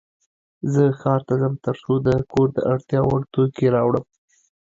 زه ښار ته ځم ترڅو د کور د اړتیا وړ توکې راوړم.